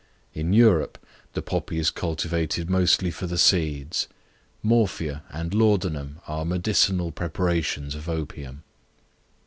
In Europe the poppy is cultivated mostly for the seeds. Morphia and laudanum are medicinal preparations of opium.